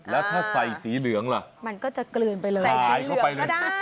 แล้วถ้าใส่สีเหลืองล่ะใส่สีเหลืองก็ได้